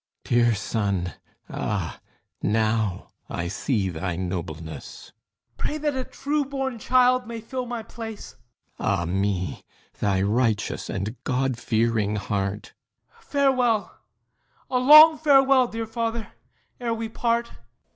THESEUS Dear Son! Ah, now I see thy nobleness! HIPPOLYTUS Pray that a true born child may fill my place. THESEUS Ah me, thy righteous and god fearing heart! HIPPOLYTUS Farewell; A long farewell, dear Father, ere we part!